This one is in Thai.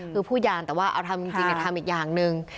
คือพูดอย่างแต่ว่าเอาทำจริงทำอีกอย่างหนึ่ง